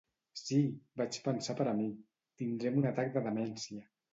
'Sí!', vaig pensar per a mi, 'tindrem un atac de demència'.